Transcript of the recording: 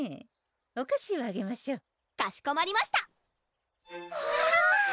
お菓子をあげましょうかしこまりました！